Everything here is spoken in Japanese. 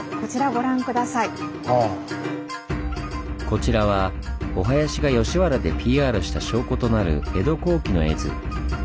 こちらはお囃子が吉原でＰＲした証拠となる江戸後期の絵図。